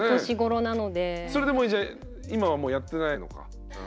それでもうじゃあ今はもうやってないのか。